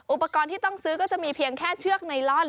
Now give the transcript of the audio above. อุปกรณ์ที่ต้องซื้อก็จะมีเพียงแค่เชือกไนลอน